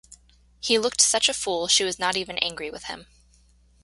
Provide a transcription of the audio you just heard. He looked such a fool she was not even angry with him.